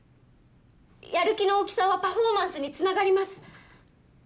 やる気の大きさはパフォーマンスにつながります